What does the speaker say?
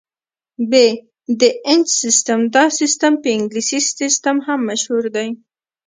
ب - د انچ سیسټم: دا سیسټم په انګلیسي سیسټم هم مشهور دی.